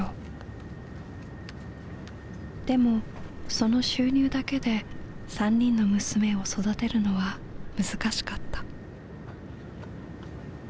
でもその収入だけで３人の娘を育てるのは難しかった。